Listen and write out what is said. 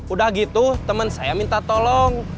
udah gitu temen saya minta tolong